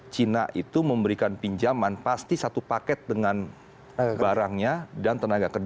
cina itu memberikan pinjaman pasti satu paket dengan barangnya dan tenaga kerja